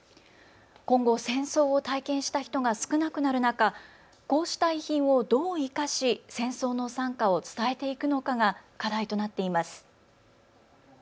今後、戦争を体験した人が少なくなる中、こうした遺品をどう生かし戦争の惨禍を伝えていくのかが課題となっています。